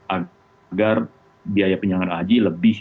agar biaya penyelenggaraan haji lebih